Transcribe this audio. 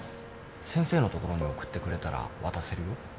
先生の所に送ってくれたら渡せるよ。